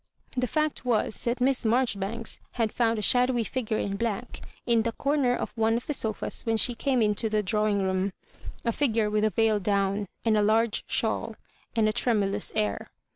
The fact was that Miss Maijoribanks had found a shadowy figure in black in the comer of one of the sofas when she came into the drawing room — a figure with a veil down, and a large ^awl, and a tremulous air.